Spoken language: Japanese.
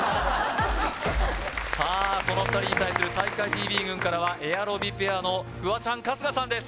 その２人に対する体育会ＴＶ軍からはエアロビペアのフワちゃん・春日さんです